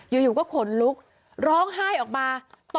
อยู่ก็ขนลุกร้องไห้ออกมา